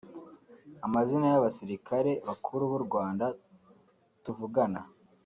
amazina y’abasirikare bakuru b’u Rwanda tuvugana